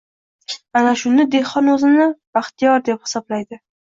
Ana shunda dehqon o‘zini baxtiyor deb hisoblaydi.